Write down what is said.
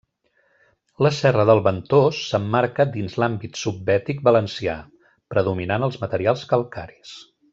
La serra del Ventós s'emmarca dins l'àmbit subbètic valencià, predominant els materials calcaris.